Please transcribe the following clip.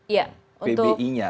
iya untuk pbi nya